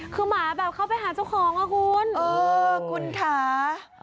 คือหมาเข้าไปหาเจ้าของล่ะคุณค่ะคุณค้า